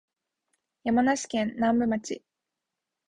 山梨県南部町